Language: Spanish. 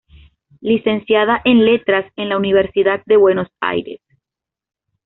Licenciada en letras en la Universidad de Buenos Aires.